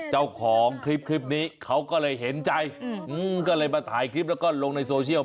เจ้าของคลิปนี้เขาก็เลยเห็นใจก็เลยมาถ่ายคลิปแล้วก็ลงในโซเชียล